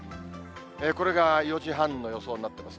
これが４時半の予想になってます。